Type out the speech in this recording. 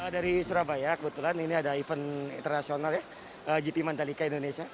dari surabaya kebetulan ini ada event internasional ya gp mandalika indonesia